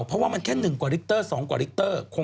เพราะว่ามันแค่๑กว่าลิกเตอร์๒กว่าลิกเตอร์